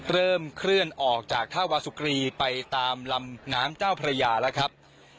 เริ่มเคลื่อนออกจากท่าวาสุกรีไปตามลำน้ำเจ้าพระยาแล้วครับ